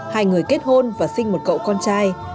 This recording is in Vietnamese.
hai người kết hôn và sinh một cậu con trai